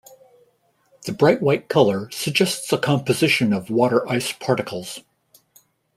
The bright white color suggests a composition of water ice particles.